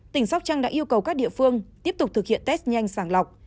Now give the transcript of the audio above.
tỉnh sóc trăng đã yêu cầu các địa phương tiếp tục thực hiện test nhanh sàng lọc